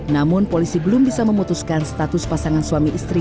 namun polisi belum bisa memutuskan status pasangan suami istri